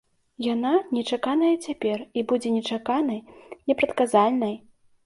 Яна нечаканая цяпер і будзе нечаканай, непрадказальнай.